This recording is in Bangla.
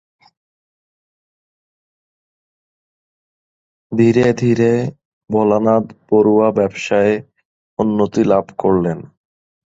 ধীরে ধীরে ভোলানাথ বরুয়া ব্যবসায়ে উন্নতি লাভ করেন।